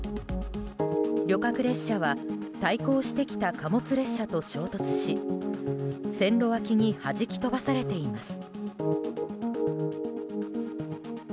旅客列車は対向してきた貨物列車と衝突し線路脇に弾き飛ばされています。